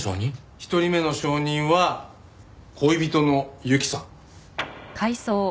１人目の証人は恋人の雪さん。